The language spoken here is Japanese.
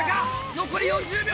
残り４０秒！